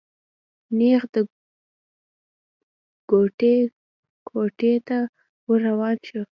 نېغ د غوټۍ کوټې ته ور روان شو.